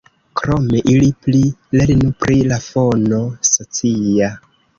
Krome ili pli lernu pri la fono socia.